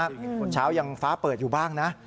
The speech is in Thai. ตอนเช้ายังฟ้าเปิดอยู่บ้างนะ